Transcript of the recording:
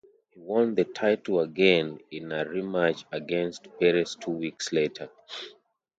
He won the title again in a rematch against Perez two weeks later.